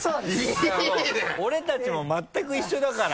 俺たちも全く一緒だから。